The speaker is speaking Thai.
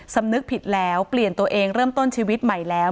สำนึกผิดแล้วเปลี่ยนตัวเองเริ่มต้นชีวิตใหม่แล้ว